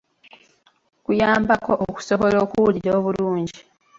Kuyambako okusobola okuwulira obulungi.